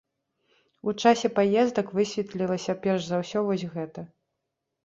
У часе паездак высветлілася перш за ўсё вось гэта.